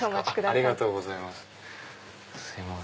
ありがとうございます。